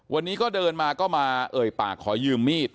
วันนี้ก็เดินมาก็มาเอ่ยปากขอยืมมีด